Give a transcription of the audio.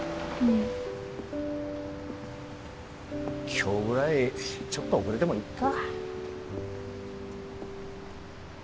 今日ぐらいちょっと遅れてもいっか。